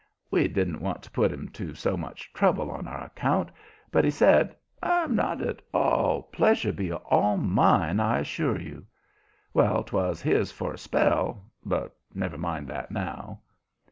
We didn't want to put him to so much trouble on our account, but he said: "Not at all. Pleasure'll be all mine, I assure you." Well, 'twas his for a spell but never mind that now.